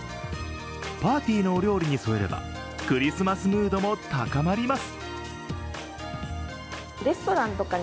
パーティーのお料理に添えればクリスマスムードも高まります。